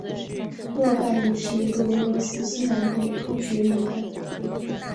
诺盖语是一个俄罗斯西南部的突厥语言。